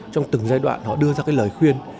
trong từng giai đoạn họ đưa ra lời khuyên